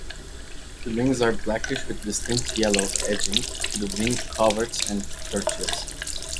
The wings are blackish with distinct yellow edging to the wing coverts and tertials.